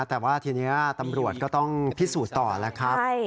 แต่ว่าทีนี้ตำรวจก็ต้องพิสูจน์ต่อแล้วครับ